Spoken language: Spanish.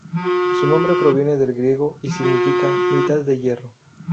Su nombre proviene del griego y significa "mitad de hierro".